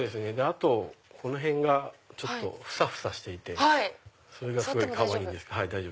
あとこの辺がふさふさしていてそれがすごいかわいいです。